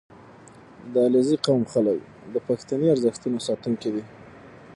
• د علیزي قوم خلک د پښتني ارزښتونو ساتونکي دي.